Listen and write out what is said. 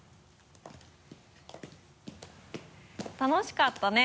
楽しかったね。